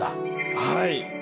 はい。